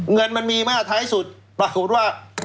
เงินมันมีมากท้ายสุดปรากฏว่า